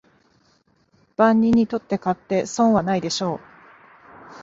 万人にとって買って損はないでしょう